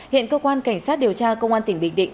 hiện cơ quan cảnh sát điều tra công an tỉnh bình định